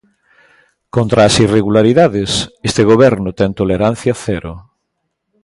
Contra as irregularidades este Goberno ten tolerancia cero.